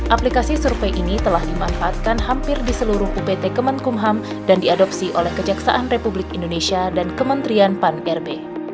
aplikasi survei ini telah dimanfaatkan hampir di seluruh upt kemenkumham dan diadopsi oleh kejaksaan republik indonesia dan kementerian pan rb